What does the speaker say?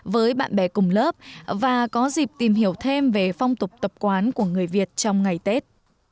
với bạn bè cùng lớp và có dịp tìm hiểu thêm về phong tục tập quán của người việt trong ngày tết